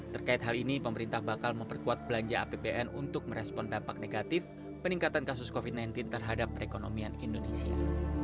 terkait hal ini pemerintah bakal memperkuat belanja apbn untuk merespon dampak negatif peningkatan kasus covid sembilan belas terhadap perekonomian indonesia